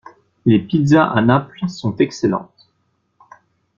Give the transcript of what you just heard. Les pizzas à Naples sont excellentes.